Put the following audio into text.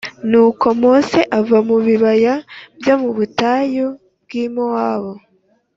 Nuko Mose ava mu bibaya byo mu butayu bw’i Mowabu,